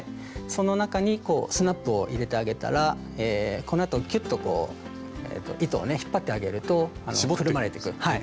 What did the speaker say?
その中にスナップを入れてあげたらこのあときゅっとこう糸をね引っ張ってあげるとくるまれてく。